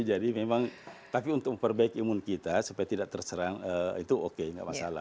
jadi memang tapi untuk memperbaiki imun kita supaya tidak terserang itu oke enggak masalah